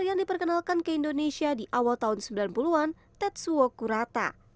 yang diperkenalkan ke indonesia di awal tahun sembilan puluh an tetsuo kurata